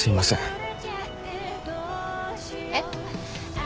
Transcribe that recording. えっ？